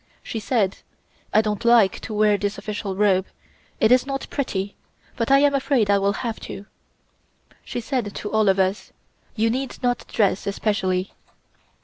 She said: "I don't like to wear this official robe. It is not pretty, but I am afraid I will have to." She said to all of us: "You need not dress especially."